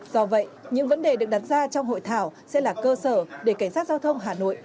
do vậy những vấn đề được đặt ra trong hội thảo sẽ là cơ sở để cảnh sát giao thông hà nội